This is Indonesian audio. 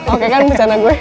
oke kan bencana gue